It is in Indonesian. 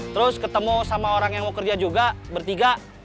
terus ketemu sama orang yang mau kerja juga bertiga